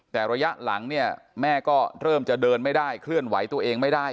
แต่ระยะหลังเนี่ยแม่ก็เริ่มจะเดินไม่ได้เคลื่อนไหวตัวเองไม่ได้